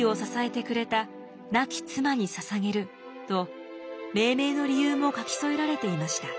と命名の理由も書き添えられていました。